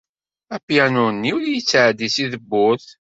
Apyanu-nni ur yettɛeddi seg tewwurt.